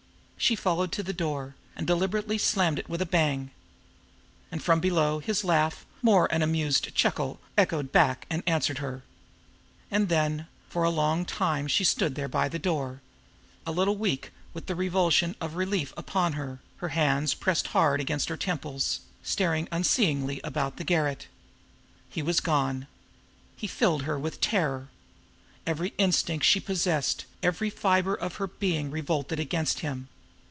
She followed to the door, and deliberately slammed it with a bang. And from below, his laugh, more an amused chuckle, echoed back and answered her. And then, for a long time she stood there by the door, a little weak with the revulsion of relief upon her, her hands pressed hard against her temples, staring unseeingly about the garret. He was gone. He filled her with terror. Every instinct she possessed, every fiber of her being revolted against him.